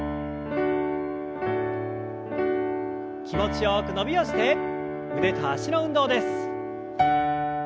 気持ちよく伸びをして腕と脚の運動です。